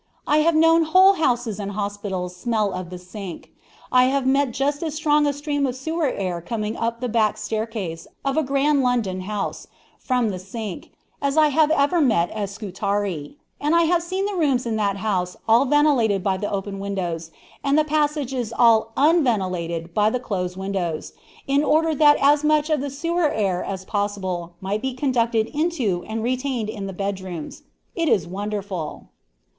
I have known whole houses and hospitals smell of the sink. I have met just as strong a stream of sewer air coming up the back staircase of a grand London house, from the sink, as I have ever met at Scutari; and I have seen the rooms in that house all ventilated by the open doors, and the passages all _un_ventilated by the close windows, in order that as much of the sewer air as possible might be conducted into and retained in the bed rooms. It is wonderful!"